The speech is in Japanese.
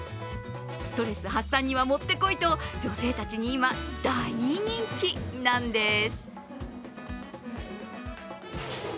ストレス発散にはもってこいと女性たちに今大人気なんです。